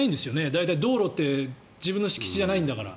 大体、道路って自分の敷地じゃないんだから。